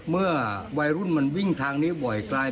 เมื่อวัยรุ่นมันวิ่งทางนี้บ่อยกลาย